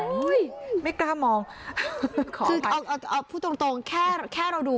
มาแล้วเนี้ยโอ้ยไม่กล้ามองคือเอาเอาพูดตรงแค่แค่เราดู